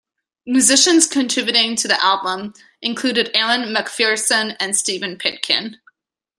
Musicians contributing to the album included Aaron MacPherson and Steve Pitkin.